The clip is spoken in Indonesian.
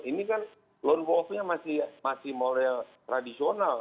ini kan loan wolf nya masih masih model tradisional